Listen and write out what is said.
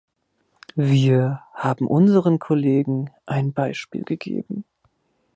Wir haben unseren Kollegen ein Beispiel gegeben.